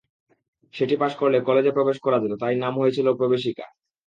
সেটি পাস করলে কলেজে প্রবেশ করা যেত, তাই নাম হয়েছিল প্রবেশিকা।